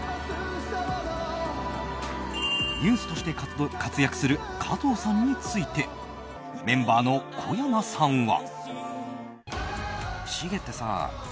ＮＥＷＳとして活躍する加藤さんについてメンバーの小山さんは。